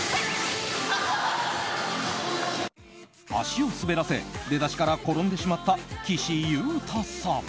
足を滑らし、出だしから転んでしまった岸優太さん。